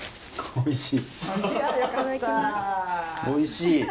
おいしい！